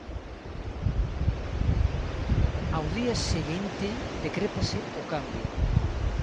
Ao día seguinte, decrétase o cambio.